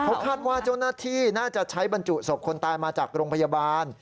เพราะข้าททาวด์ว่าโจมตีน่าจะใช้บรรจุศพคนตายมาจากโรงพยาบาล